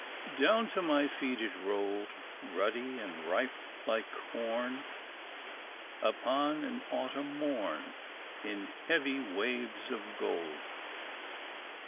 "Down to my feet it rolled Ruddy and ripe like corn, Upon an autumn morn, In heavy waves of gold.